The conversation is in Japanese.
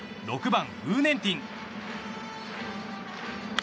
６番、ウー・ネンティン。